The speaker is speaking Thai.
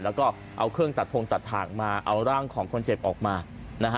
แล้วก็เอาเครื่องตัดพงตัดถ่างมาเอาร่างของคนเจ็บออกมานะฮะ